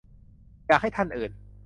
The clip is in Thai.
อยากให้ท่านอื่น